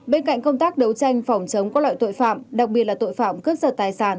bên cạnh công tác đấu tranh phòng chống các loại tội phạm đặc biệt là tội phạm cướp giật tài sản